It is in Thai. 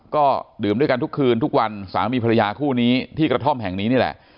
ก็ดื่มด้วยกันทุกคืนทุกวันสามีภรรยาคู่นี้ที่กระท่อมแห่งนี้นี่แหละ